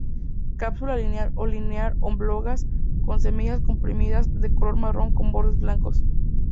Cápsula lineal o linear-oblongas, con semillas comprimidas, de color marrón con bordes blancos.